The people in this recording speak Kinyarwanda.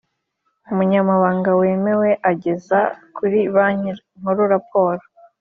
umunyamabanga wemewe ageza kuri Banki Nkuru raporo